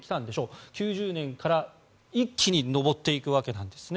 １９９０年から一気に上っていくわけです。